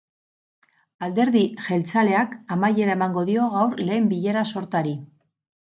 Alderdi jeltzaleak amaiera emango dio gaur lehen bilera-sortari.